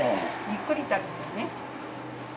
ゆっくり食べてね。